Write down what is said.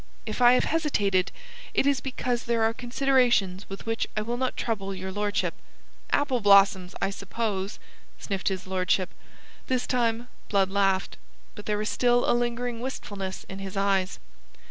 If I have hesitated, it is because there are considerations with which I will not trouble your lordship." "Apple blossoms, I suppose?" sniffed his lordship. This time Blood laughed, but there was still a lingering wistfulness in his eyes.